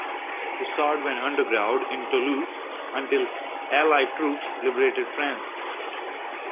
Dissard went underground in Toulouse until Allied troops liberated France.